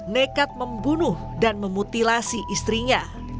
nekat membunuh dan memutilasi istrinya